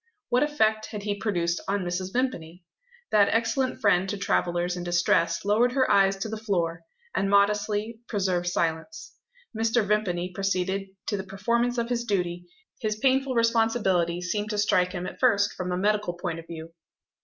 What effect had he produced on Mrs. Vimpany? That excellent friend to travellers in distress lowered her eyes to the floor, and modestly preserved silence. Mr. Vimpany proceeded to the performance of his duty; his painful responsibility seemed to strike him at first from a medical point of view.